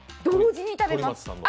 同時に食べます。